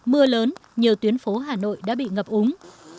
mưa lớn nhiều tuyến phố hà nội đã bị ngập úng